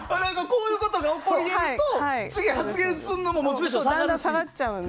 こういうことが起こり得ると次、発言するモチベーションも下がると。